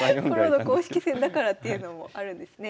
プロの公式戦だからというのもあるんですね。